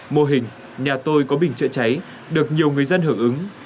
mô hình nhà tôi có bình chữa cháy được nhiều người dân hưởng ứng